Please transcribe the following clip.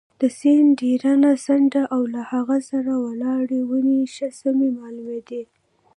د سیند ډبرینه څنډه او له هغې سره ولاړې ونې ښه سمې معلومېدې.